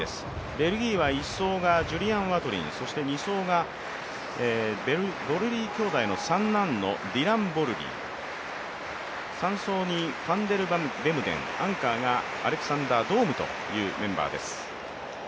ベルギーは１走がジュリアン・ワトリン、２走がボルリー兄弟の三男のディラン・ボルリー３走にファンデルベムデン、アンカーがアレクサンダー・ドームというメンバーです。